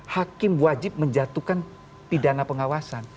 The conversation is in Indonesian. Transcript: hakim wajib menjatuhkan pidana pengawasan